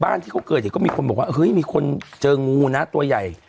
ที่เขาเกิดเหตุก็มีคนบอกว่าเฮ้ยมีคนเจองูนะตัวใหญ่